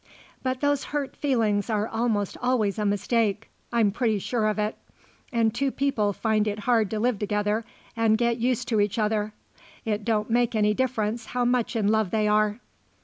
But those hurt feelings are almost always a mistake I'm pretty sure of it. Any two people find it hard to live together and get used to each other; it don't make any difference how much in love they are."